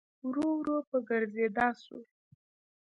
ورو ورو په ګرځېدا سو.